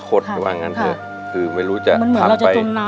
คือมันไม่เห็นอนาคตหรือบางอย่างนั้น